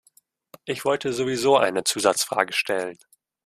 Ich wollte sowieso eine Zusatzfrage stellen.